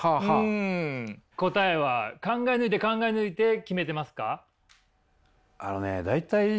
答えは考え抜いて考え抜いて決めてますか？